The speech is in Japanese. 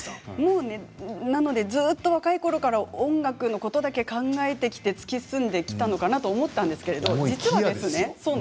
なのでずっと若いころから音楽のことだけ考えてきて突き進んできたのかなと思ったんですけど。